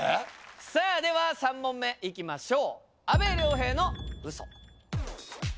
さあでは３問目いきましょう。